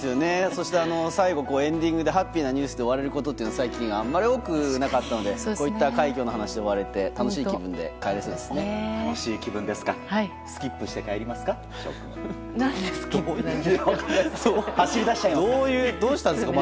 そして、最後エンディングでハッピーなニュースで終われることというのが最近、あまり多くなかったのでこういった快挙の話で終われて楽しい気分で帰れそうですね。